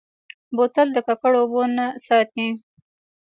بوتل د ککړو اوبو نه ساتي.